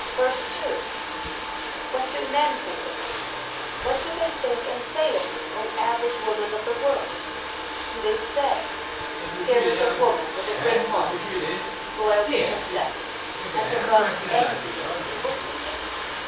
II What do men think of you, what do they think and say of you, O Average Woman of the world? Do they say: 'There is a woman with a great heart, Loyal to her sex, and above envy and evil speaking?